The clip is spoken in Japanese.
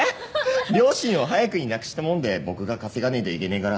両親を早くに亡くしたもんで僕が稼がねえといけねえから。